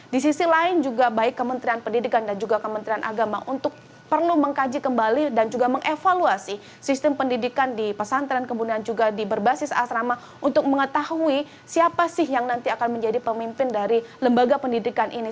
di sisi lain juga baik kementerian pendidikan dan juga kementerian agama untuk perlu mengkaji kembali dan juga mengevaluasi sistem pendidikan di pesantren kemudian juga di berbasis asrama untuk mengetahui siapa sih yang nanti akan menjadi pemimpin dari lembaga pendidikan ini